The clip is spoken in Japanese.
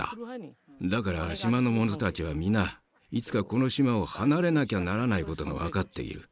だから島の者たちは皆いつかこの島を離れなきゃならないことが分かっている。